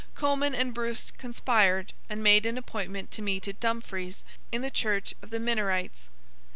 Comyn and Bruce conspired, and made an appointment to meet at Dumfries, in the church of the Minorites.